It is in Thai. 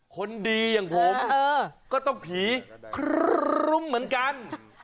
คนดีอย่างผมก็ต้องผีครึ้มเหมือนกัน